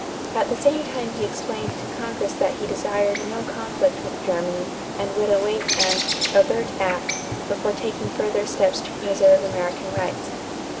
At the same time he explained to Congress that he desired no conflict with Germany and would await an "overt act" before taking further steps to preserve American rights.